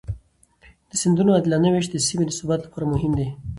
د سیندونو عادلانه وېش د سیمې د ثبات لپاره مهم دی.